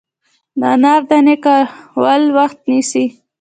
د انار دانې کول وخت نیسي.